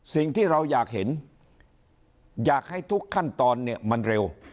สิ่งที่เราอยากเห็นอยากให้ทุกขั้นตอนเนี่ยมันเร็ว